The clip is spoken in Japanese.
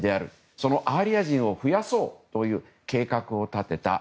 そのアーリア人を増やそうという計画を立てたと。